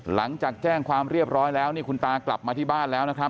หลังจากแจ้งความเรียบร้อยแล้วนี่คุณตากลับมาที่บ้านแล้วนะครับ